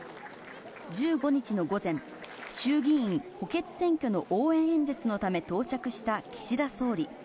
１５日の午前、衆議院補欠選挙の応援演説のため、到着した岸田総理。